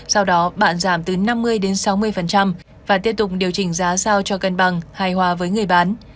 sau đó bạn giảm từ năm mươi đến sáu mươi và tiếp tục điều chỉnh giá sao cho cân bằng hài hòa với người bán